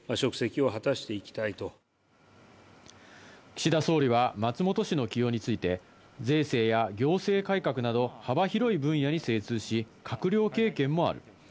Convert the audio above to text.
岸田総理は松本氏の起用について税制や行政改革など幅広い分野に精通し、閣僚経験もある。